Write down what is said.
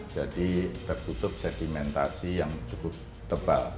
jadi tertutup sedimentasi yang cukup tebal